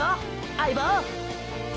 相棒！